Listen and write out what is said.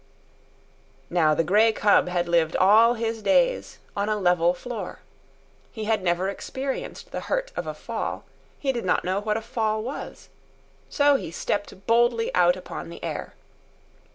Now the grey cub had lived all his days on a level floor. He had never experienced the hurt of a fall. He did not know what a fall was. So he stepped boldly out upon the air.